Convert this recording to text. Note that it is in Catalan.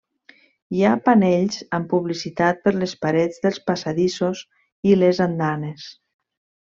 Hi ha panells amb publicitat per les parets dels passadissos i les andanes.